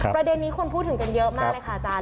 ประเด็นนี้คนพูดถึงกันเยอะมากเลยค่ะอาจารย์